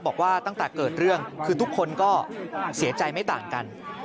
บอกว่าตั้งแต่เกิดเรื่องคือทุกคนก็เสียใจไม่ต่างกัน